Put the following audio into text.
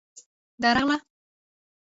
_درغله.